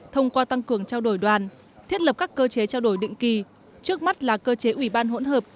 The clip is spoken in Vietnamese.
thông qua tăng cường trao đổi đoàn thiết lập các cơ chế trao đổi định kỳ trước mắt là cơ chế ủy ban hỗn hợp